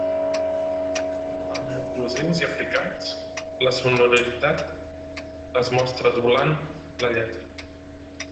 Amb oclusius i africats, la sonoritat es mostra doblant la lletra.